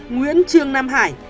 nguyễn trương nam hải